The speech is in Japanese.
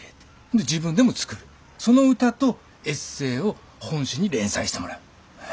その歌とエッセーを本誌に連載してもらう。